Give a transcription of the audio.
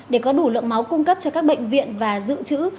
để có đủ lượng máu cung cấp cho các bệnh viện và dự trữ